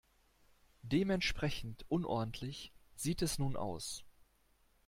Dementsprechend unordentlich sieht es nun aus.